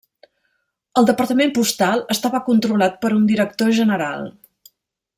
El departament postal estava controlat per un director general.